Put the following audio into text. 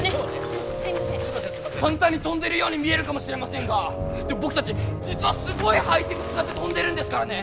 簡単に飛んでるように見えるかもしれませんがでも僕たち実はすごいハイテク使って飛んでるんですからね！